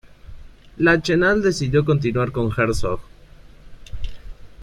Lachenal decidió continuar con Herzog.